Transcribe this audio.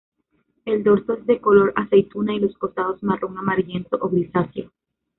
El dorso es de color aceituna y los costados marrón amarillento o grisáceo.